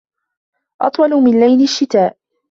أطول من ليل الشتاء